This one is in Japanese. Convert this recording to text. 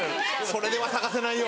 それでは探せないよ